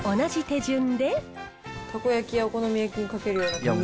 たこ焼きやお好み焼きにかけるような感じで。